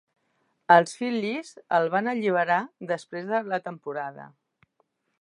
Els Phillies el van alliberar després de la temporada.